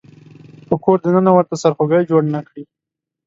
په کور د ننه ورته سرخوږی جوړ نه کړي.